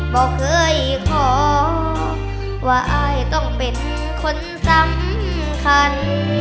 บอกเคยขอว่าอายต้องเป็นคนสำคัญ